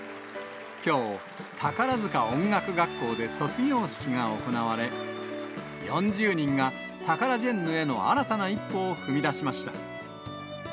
きょう、宝塚音楽学校で卒業式が行われ、４０人がタカラジェンヌへの新たな一歩を踏み出しました。